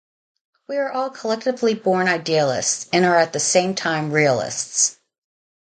We are all collectively born idealists, and are at the same time realists.